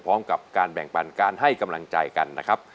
พร้อมกับการแบ่งปันการให้กำลังใจกันนะครับ